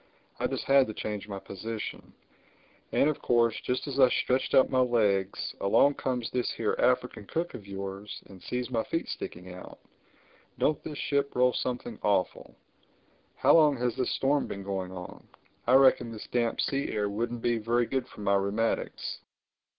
I just had to change my position; and of course just as I stretched out my legs along comes this here African cook of yours and sees my feet sticking out—Don't this ship roll something awful! How long has this storm been going on? I reckon this damp sea air wouldn't be very good for my rheumatics."